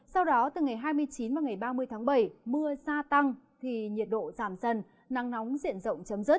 sau đó từ ngày hai mươi chín và ngày ba mươi tháng bảy mưa gia tăng thì nhiệt độ giảm dần nắng nóng diện rộng chấm dứt